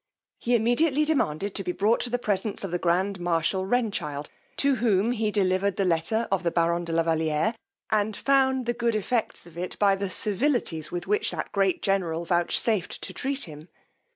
He immediately demanded to be brought to the presence of the grand marshal Renchild, to whom he delivered the letter of the baron de la Valiere, and found the good effects of it by the civilities with which that great general vouchsafed to treat him.